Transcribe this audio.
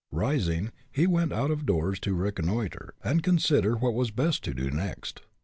Rising, he went out of doors to reconnoiter, and consider what was best to do next.